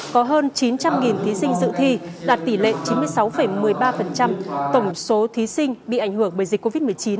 có hơn chín trăm linh thí sinh dự thi đạt tỷ lệ chín mươi sáu một mươi ba tổng số thí sinh bị ảnh hưởng bởi dịch covid một mươi chín